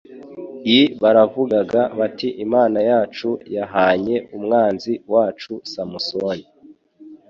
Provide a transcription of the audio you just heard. i baravugaga bati imana yacu yahanye umwanzi wacu samusoni